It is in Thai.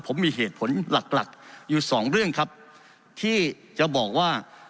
ผมมีเหตุผลหลักหลักอยู่สองเรื่องครับที่จะบอกว่า